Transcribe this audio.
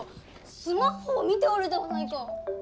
すまっほを見ておるではないか。